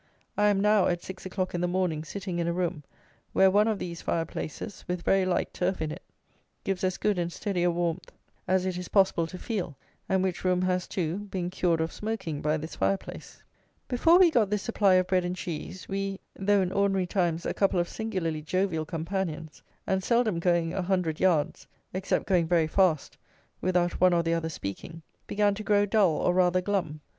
I am now, at six o'clock in the morning, sitting in a room, where one of these fire places, with very light turf in it, gives as good and steady a warmth as it is possible to feel, and which room has, too, been cured of smoking by this fire place. Before we got this supply of bread and cheese, we, though in ordinary times a couple of singularly jovial companions, and seldom going a hundred yards (except going very fast) without one or the other speaking, began to grow dull, or rather glum.